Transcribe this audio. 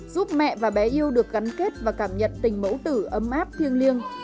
giúp mẹ và bé yêu được gắn kết và cảm nhận tình mẫu tử ấm áp thiêng liêng